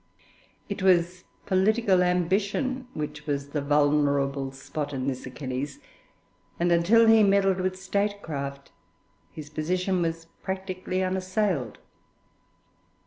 It was political ambition which was the vulnerable spot in this Achilles, and until he meddled with statecraft, his position was practically unassailed.